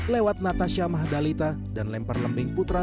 lewat natasya mahdalita dan lemperlembing putra